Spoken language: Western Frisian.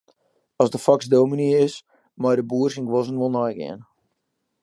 As de foks dominy is, mei de boer syn guozzen wol neigean.